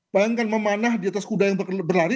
bayangkan memanah di atas kuda yang berlari